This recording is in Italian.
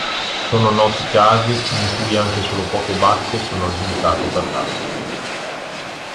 Sono noti casi in cui anche solo poche bacche sono risultate fatali.